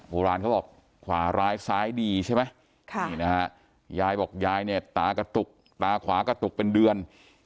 โบราณเขาบอกขวาร้ายซ้ายดีใช่ไหมนี่นะฮะยายบอกยายเนี่ยตากระตุกตาขวากระตุกเป็นเดือน